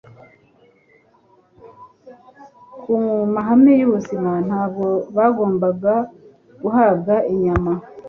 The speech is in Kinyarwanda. ku mahame yubuzima Ntabwo bagombaga guhabwa inyama